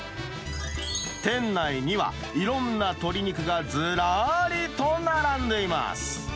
店内には、いろんな鶏肉がずらーりと並んでいます。